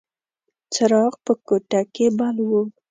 څراغ په کوټه کې بل و.